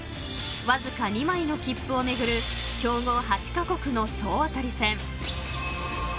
［わずか２枚の切符を巡る強豪８カ国の総当たり戦］